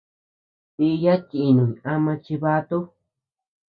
Diya chinuñ ama chibatu.